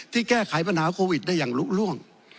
แก้ไขปัญหาโควิดได้อย่างลุล่วง